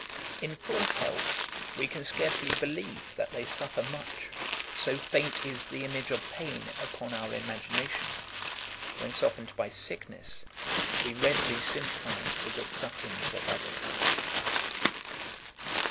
In full health, we can scarcely believe that they suffer much; so faint is the image of pain upon our imagination: when softened by sickness, we readily sympathize with the sufferings of others.